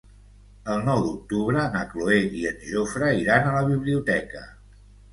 El nou d'octubre na Cloè i en Jofre iran a la biblioteca.